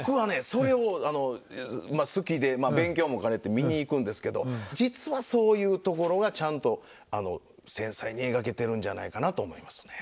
それを好きでまあ勉強も兼ねて見に行くんですけど実はそういうところがちゃんと繊細に描けてるんじゃないかなと思いますね。